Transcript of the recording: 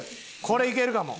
これいけるかも。